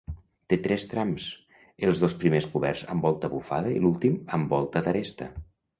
Té tres trams, els dos primers coberts amb volta bufada i l'últim amb volta d'aresta.